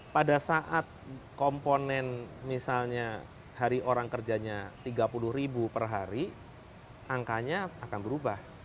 pada saat komponen misalnya hari orang kerjanya tiga puluh ribu per hari angkanya akan berubah